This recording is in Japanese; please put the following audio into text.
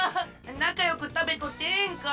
なかよくたべとってええんか？